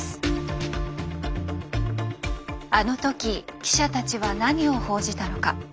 あの時記者たちは何を報じたのか。